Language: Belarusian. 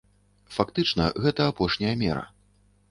Фактычна, гэта апошняя мера.